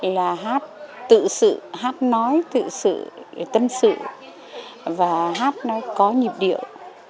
là hát tự sự hát nói tự sự tâm sự và hát nó có nhịp điệu